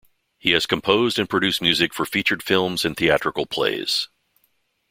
He has composed and produced music for featured films and theatrical plays.